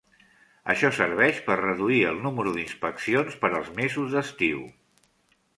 Això serveix per reduir el número d'inspeccions per als mesos d'estiu.